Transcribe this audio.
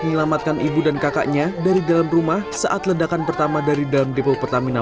menyelamatkan ibu dan kakaknya dari dalam rumah saat ledakan pertama dari dalam depo pertamina